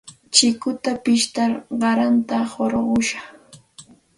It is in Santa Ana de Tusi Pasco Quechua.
Chikuta pishtar qaranta hurqushqaa.